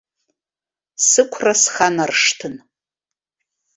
Сықәра сханаршҭын.